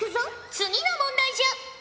次の問題じゃ。